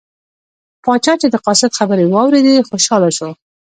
پاچا چې د قاصد خبرې واوریدې خوشحاله شو.